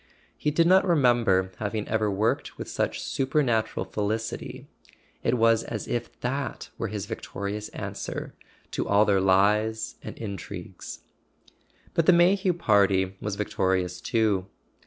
He did not remember having ever worked with such supernatural felicity: it was as if that were his victorious answer to all their lies and intrigues. ..[ 370 ] A SON AT THE FRONT But the May hew party was victorious too.